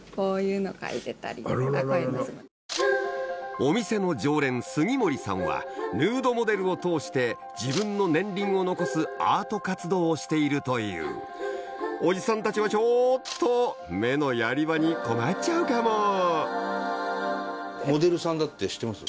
お店の常連杉森さんはヌードモデルを通して自分の年輪を残すアート活動をしているというおじさんたちはちょっと目のやり場に困っちゃうかもモデルさんだって知ってます？